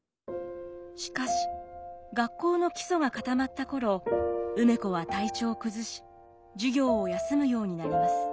しかし学校の基礎が固まった頃梅子は体調を崩し授業を休むようになります。